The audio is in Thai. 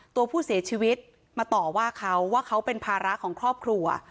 ตัวผู้เสียชีวิตมาต่อว่าเขาว่าเขาเป็นภาระของครอบครัว